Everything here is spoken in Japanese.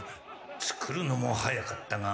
つくるのも早かったが。